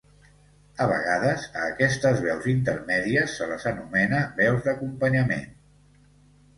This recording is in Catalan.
A vegades a aquestes veus intermèdies se les anomena veus d'acompanyament.